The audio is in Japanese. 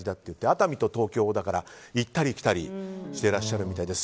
熱海と東京だから行ったり来たりしてらっしゃるみたいで。